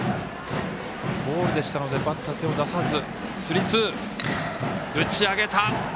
ボールでしたのでバッター、手を出さず。